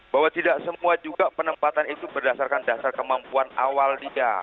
bahwa tidak semua juga penempatan itu berdasarkan dasar kemampuan awal dia